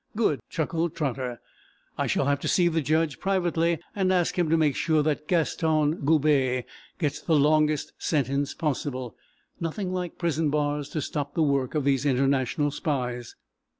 "Good," chuckled Trotter. "I shall have to see the judge privately, and ask him to make sure that Gaston Goubet gets the longest sentence possible. Nothing like prison bars to stop the work of these international spies!"